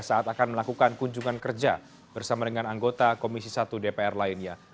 saat akan melakukan kunjungan kerja bersama dengan anggota komisi satu dpr lainnya